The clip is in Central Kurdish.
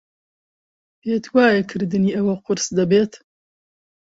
پێت وایە کردنی ئەوە قورس دەبێت؟